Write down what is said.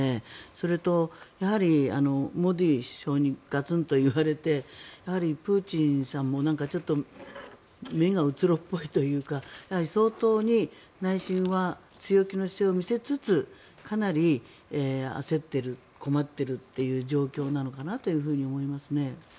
それと、モディ首相にガツンと言われてやはりプーチンさんの目がうつろっぽいというか相当に内心は強気の姿勢を見せつつかなり焦っている困っているという状況なのかなというふうに思いますね。